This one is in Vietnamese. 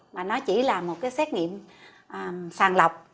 mà nó chỉ là một cái xét nghiệm sàng lọc